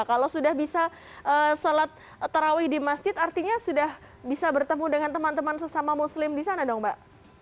kalau sudah bisa sholat tarawih di masjid artinya sudah bisa bertemu dengan teman teman sesama muslim di sana dong mbak